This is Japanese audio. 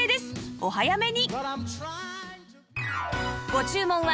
お早めに！